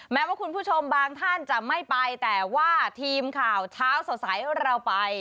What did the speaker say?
แม้ว่าคุณผู้ชมบางท่านจะไม่ไปแต่ว่าทีมข่าวเช้าสดใสเราไป